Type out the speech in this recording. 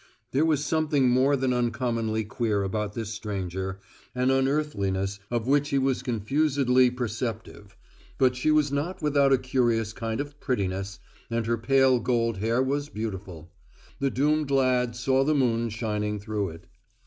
There was something more than uncommonly queer about this stranger, an unearthliness of which he was confusedly perceptive, but she was not without a curious kind of prettiness, and her pale gold hair was beautiful. The doomed lad saw the moon shining through it.